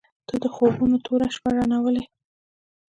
• ته د خوبونو توره شپه روڼولې.